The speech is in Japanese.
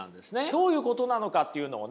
どういうことなのかというのをね